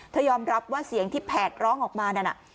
ยอมรับว่าเสียงที่แผดร้องออกมานั่นน่ะ